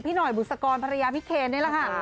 หน่อยบุษกรภรรยาพี่เคนนี่แหละค่ะ